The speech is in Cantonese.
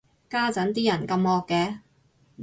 家陣啲人咁惡嘅